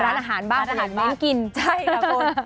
ร้านอาหารบ้างร้านอาหารบ้างแม่งกินใช่ครับคุณ